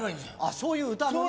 そういう歌のね。